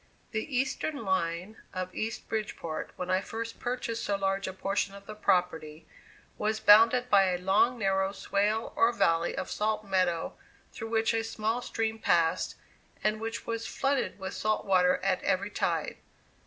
The eastern line of East Bridgeport, when I first purchased so large a portion of the property, was bounded by a long, narrow swale or valley of salt meadow, through which a small stream passed, and which was flooded with salt water at every tide.